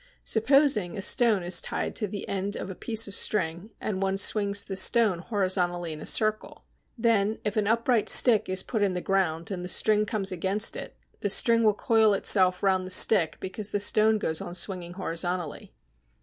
Supposing a stone is tied to the end of a piece of string, and one swings the stone horizontally in a circle, then, if an upright stick is put in the ground and the string comes against it, the string will coil itself round the stick because the stone goes on swinging horizontally.